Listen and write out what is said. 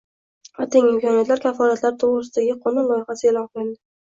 va teng imkoniyatlar kafolatlari to‘g‘risida»gi qonun loyihasi e’lon qilindi.